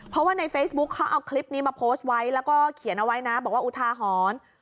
เพราะว่าในเฟซบุ๊คเขาเอาคลิปนี้มาโพสต์ไว้แล้วก็เขียนเอาไว้นะบอกว่าอุทาหรณ์